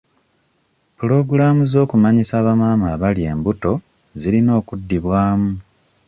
Pulogulaamu z'okumanyisa ba maama abali embuto zirina okuddibwamu.